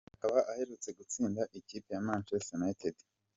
Akaba aherutse gutsinda ikipe ya Manchester United.